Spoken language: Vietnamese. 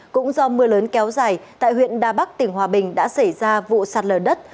cũng do mưa lớn kéo dài tại huyện đà bắc tỉnh hòa bình đã xảy ra vụ sạt lở đất